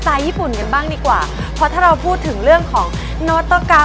สไตล์เกาหลีกันไปแล้วนะคะ